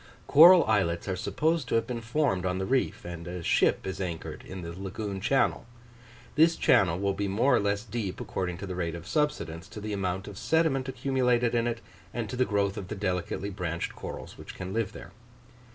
Coral islets are supposed to have been formed on the reef; and a ship is anchored in the lagoon channel. This channel will be more or less deep, according to the rate of subsidence, to the amount of sediment accumulated in it, and to the growth of the delicately branched corals which can live there.